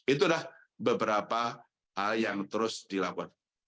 itulah beberapa hal yang terus dilakukan